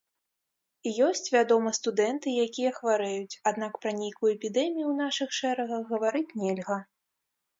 Ёсць, вядома, студэнты, якія хварэюць, аднак пра нейкую эпідэмію ў нашых шэрагах гаварыць нельга.